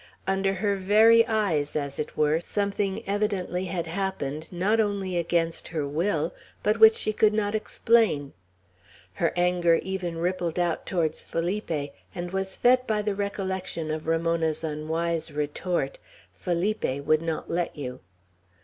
Under her very eyes, as it were, something evidently had happened, not only against her will, but which she could not explain. Her anger even rippled out towards Felipe, and was fed by the recollection of Ramona's unwise retort, "Felipe would not let you!"